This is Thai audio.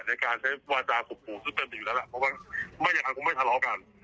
ในการใช้วาจาคมคู่ซึ่งเต็มอยู่แล้วละไม่อยากจะคงไม่ทะเลาบกัน